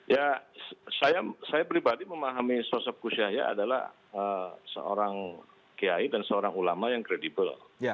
ya saya pribadi memahami sosok gus yahya adalah seorang kiai dan seorang ulama yang kredibel